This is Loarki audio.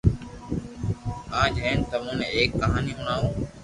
آج ھين تمو ني ايڪ ڪہاني ھڻاوو